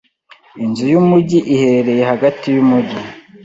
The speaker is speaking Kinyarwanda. Inzu yumujyi iherereye hagati yumujyi.